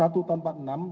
satu tanpa enam